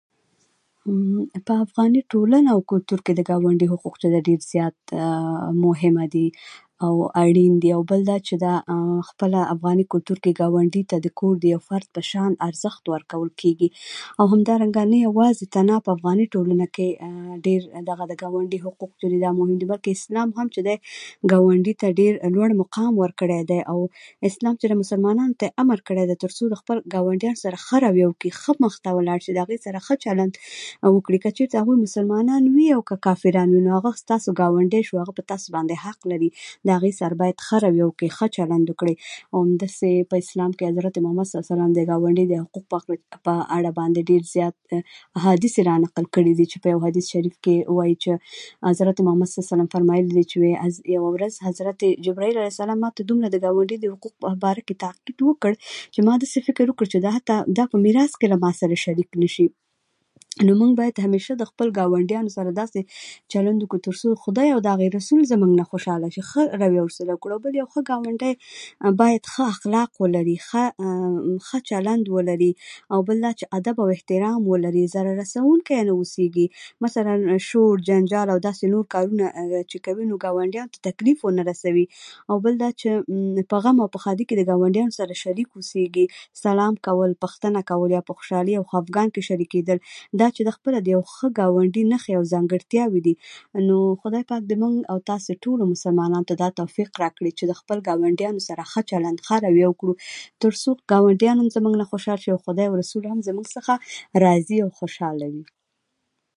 په افغاني ټولنه او کلتور کې د ګاونډي حقوق چې دی، ډېر زیات مهمه دی او اړين دی. بل دا چې خپله افغاني کلتور کې ګاونډي ته د کور د یو فرد په توګه ارزښت ورکول کېږي. او همدارنګه، نه یوازې تنها په افغاني ټولنه کې ډېر دغه د ګاونډي حقوق مهم دي، بلکې اسلام هم چې دی، ګاونډي ته ډېر لوړ مقام ورکړی دی، او اسلام چې دی، مسلمانانو ته یې امر کړی دی چې تر څو د خپلو ګاونډيانو سره ښه رویه وکړي، ښه مخ ته لاړ شي، هغوی سره ښه چلند وکړي. که هغوی مسلمانان وي، که کافران وي، نو هغه ستاسو ګاونډی شو، هغه په تاسو باندې حق لري. د هغوی سره باید ښه رویه وکړی، ښه چلند وکړی. همداسې په اسلام کې حضرت محمد صل علیه وسلم د ګاونډي د حقوقو په اړه باندې ډېر زیات احاديث رانقل کړي دي، چې په یو حدیث شریف کې وايي چې حضرت محمد صل علیه وسلم فرمايلي دي چې یوه ورځ حضرت جبرایل علیه سلم ماته د ګاونډي د حقوقو په اړه دومره تعریف وکړ، چې حتی دا په میراث کې ماسره شریک نه شي. نو موږ باید همېشه له خپلو ګاونډيانو سره داسې چلند وکړو چې خدای او د هغه رسول زموږ نه خوشاله شي، ښه رویه ورسره وکړو. او بل، یو ښه ګاونډی باید ښه اخلاق ولري، ښه چلند ولري، او بل دا چې ادب او احترام ولري، ضرر رسوونکی ونه اوسيږي؛ مثلا شور او جنجال چې کوي، ګاونډيانو ته تکليف ونه رسوي. او بل دا چې په غم او په ښادۍ کې د ګاونډيانو سره شریک اوسېږي. او سلام کول، پوښتنه کول، په خوشالۍ او په خپګان کې شریک کېدل، دا چې ده، د يو ښه ګاوندي نښې او ځانګړتیاوې دي. نو خدای پاک دې موږ او تاسو ټولو مسلمانانو ته توفیق راکړي چې د خپلو ګاونډیانو سره ښه چلند وکړو، ښه رویه وکړو، تر څو ګاونديان هم زموږ څخه خوشال شي، او خدای او رسول هم زموږ راضي او خوشاله وي.